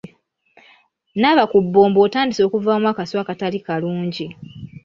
Nnaaba ku bbombo otandise okuvaamu akasu akatali kalungi.